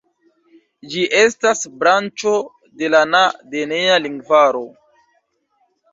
Ĝi estas branĉo de la Na-denea lingvaro.